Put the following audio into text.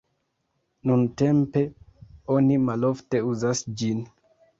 Nuntempe oni malofte uzas ĝin.